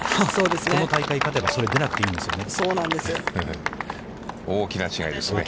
この大会に勝てば、その大会に出なくていいんですね。